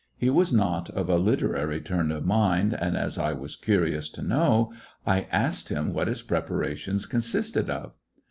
He was not of a literary turn of mind, and as I was curious CO know, I asked him what his prepa rations consisted of.